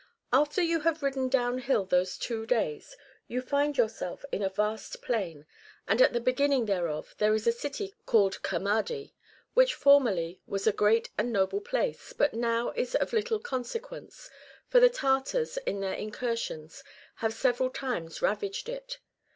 After you have ridden down hill those two days, you find yourself in a vast plain, and at the beginning thereof there is a city called Camadi, which formerly was a great and noble place, but now is of little consequence, for the Tartars in their incursions have several times ravaged it.